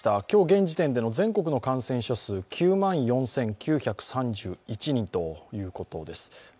今日現時点での全国の感染者数、９万４９３１人ということです。